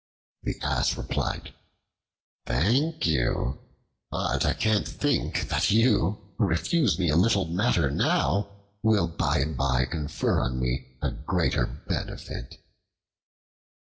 The Ass replied, "Thank you. But I can't think that you, who refuse me a little matter now, will by and by confer on me a greater benefit."